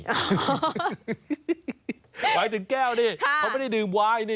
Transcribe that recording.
หมายถึงแก้วนี่เขาไม่ได้ดื่มวายนี่